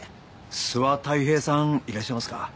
須波太平さんいらっしゃいますか？